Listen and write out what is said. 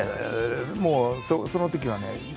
もうそのときはね